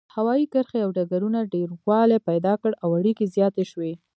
هوايي کرښې او ډګرونو ډیروالی پیدا کړ او اړیکې زیاتې شوې.